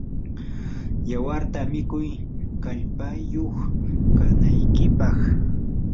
yawarta mikuy kallpayuq kanaykipaq.